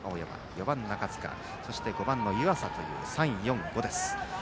４番、中塚そして５番、湯浅という３、４、５です。